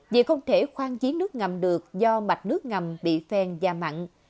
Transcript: vì không thể khoan chiến nước ngầm được do mạch nước ngầm bị phèn và mặn